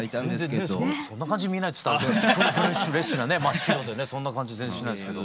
そんな感じに見えないっつったらねフレッシュなね真っ白でねそんな感じ全然しないですけど。